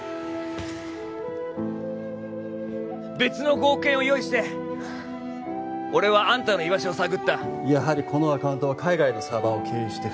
別の５億円を用意して俺はアンタの居場所を探ったやはりこのアカウントは海外のサーバーを経由して